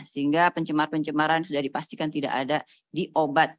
sehingga pencemar pencemaran sudah dipastikan tidak ada di obat